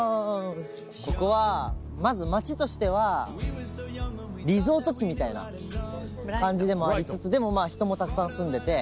ここはまず街としてはリゾート地みたいな感じでもありつつでも人もたくさん住んでて。